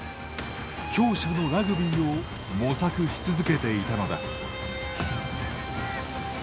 強者のラグビーを模索し続けていたのだ。